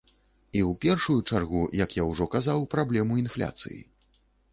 І ў першую чаргу, як я ўжо казаў, праблему інфляцыі.